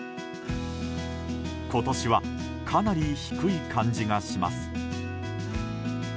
今年はかなり低い感じがします。